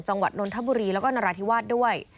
จังหวัดนทบุรีและนราธิวาสด้วย